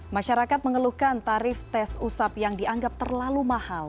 masyarakat mengeluhkan tarif tes usap yang dianggap terlalu mahal